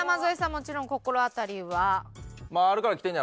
もちろん心当たりは。